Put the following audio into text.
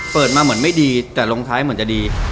เปิดมาเหมือนไม่ดีแต่ลงท้ายเหมือนจะดี